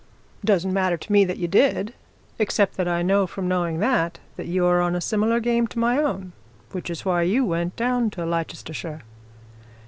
Doesn't matter to me that ye did except that I know, from knowing that, that you're on a similar game to my own which is why you went down to Leicestershire."